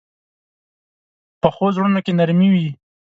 پخو زړونو کې نرمي وي